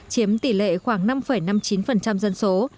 chiếm tỷ lệ khoảng năm năm mươi chín dân số